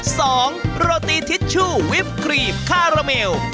โรตีทิชชู่วิปครีมคาราเมล